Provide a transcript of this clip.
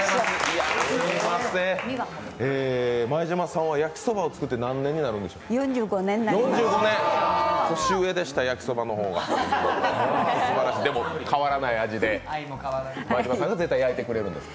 前島さんは焼きそばを作って何年になりますか？